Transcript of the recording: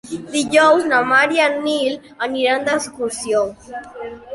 Dijous na Mar i en Nil aniran d'excursió.